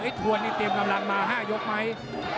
ทวนนี่เตรียมกำลังมา๕ยกไหม